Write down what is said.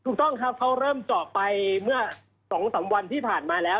ถูกต้องครับเขาเริ่มเจาะไปเมื่อ๒๓วันที่ผ่านมาแล้ว